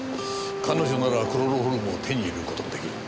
彼女ならクロロホルムを手に入れる事も出来る。